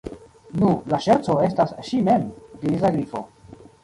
"Nu, la ŝerco estas ŝi mem," diris la Grifo.